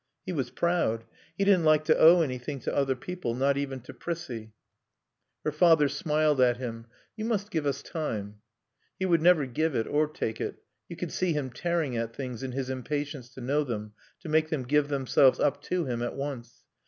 He was proud. He didn't like to owe anything to other people, not even to Prissie. Her father smiled at him. "You must give us time." He would never give it or take it. You could see him tearing at things in his impatience, to know them, to make them give themselves up to him at once.